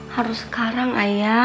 harus sekarang ayah